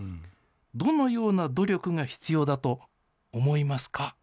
どのような努力が必要だと思いますか。